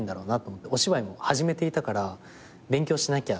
お芝居も始めていたから勉強しなきゃかなと思って。